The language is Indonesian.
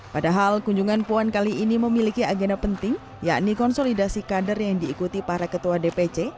padahal kunjungan puan kali ini memiliki agenda penting yakni konsolidasi kader yang diikuti para ketua dpc